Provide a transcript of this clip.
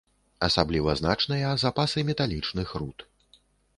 Асабліва значныя запасы металічных руд.